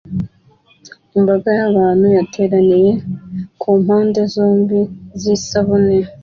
Imbaga y'abantu yateraniye kumpande zombi z'isabune